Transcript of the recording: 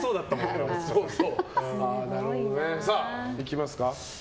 岩井、いきますか。